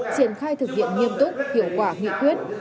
triển khai thực hiện nghiêm túc hiệu quả nghị quyết